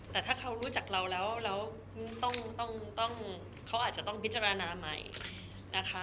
แต่ถ้าเค้ารู้จักเราเราก็อาจจะต้องวิจารณาใหม่นะคะ